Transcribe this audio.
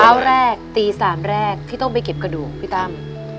แรกตี๓แรกที่ต้องไปเก็บกระดูกพี่ตั้ม